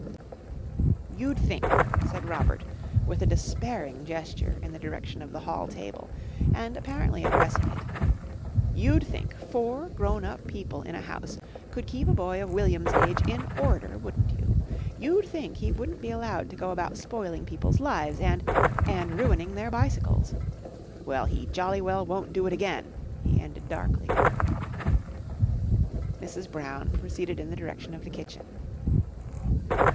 "You'd think," said Robert with a despairing gesture in the direction of the hall table and apparently addressing it, "you'd think four grown up people in a house could keep a boy of William's age in order, wouldn't you? You'd think he wouldn't be allowed to go about spoiling people's lives and and ruining their bicycles. Well, he jolly well won't do it again," he ended darkly. Mrs. Brown, proceeded in the direction of the kitchen.